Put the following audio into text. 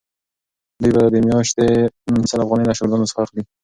دوی به د میاشتې سل افغانۍ له شاګردانو څخه اخلي.